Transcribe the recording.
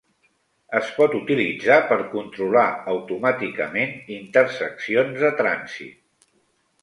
Es pot utilitzar per controlar automàticament interseccions de trànsit.